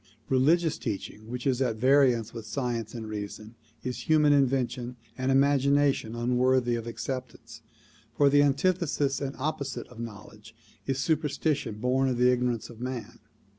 Religious teaching which is at variance with science and reason is human invention and imagination unworthy of acceptance, for the an tithesis and opposite of knowledge is superstition born of the ignor ance of man.